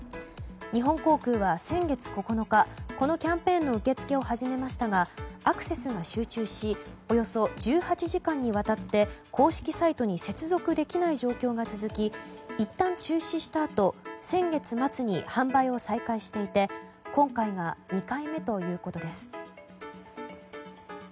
日本航空は先月９日このキャンペーンの受付を始めましたがアクセスが集中しおよそ１８時間にわたって公式サイトに接続できない状況が続きいったん中止したあと先月末に販売を再開していて今回が２回目ということです。